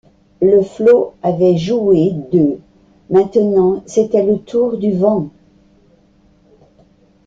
Le flot avait joué d’eux, maintenant c’était le tour du vent.